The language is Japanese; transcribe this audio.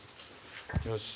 よし。